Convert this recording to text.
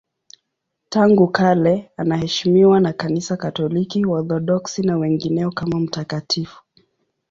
Tangu kale anaheshimiwa na Kanisa Katoliki, Waorthodoksi na wengineo kama mtakatifu.